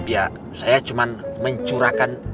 ya saya cuman mencurahkan